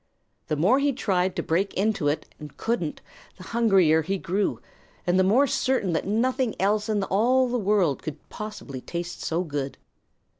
The more he tried to break into it and couldn't, the hungrier he grew, and the more certain that nothing else in all the world could possibly taste so good.